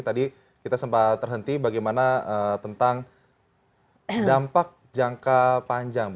tadi kita sempat terhenti bagaimana tentang dampak jangka panjang